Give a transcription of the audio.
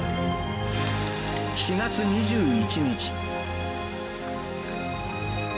４月２１日。